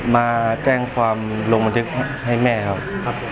มาแจ้งความโรโมนเทคให้แม่ครับ